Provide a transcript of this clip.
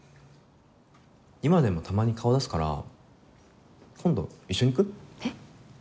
今でもたまに顔出すから今度一緒に行く？えっ？